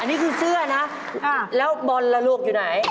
นี่คือเสื้อนะแล้วบอลล่ะลูกอยู่ไหน